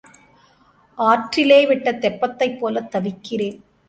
ஆற்றிலே விட்ட தெப்பத்தைப் போலத் தவிக்கிறேன்.